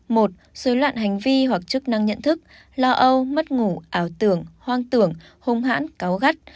một rối loạn hành vi hoặc chức năng nhận thức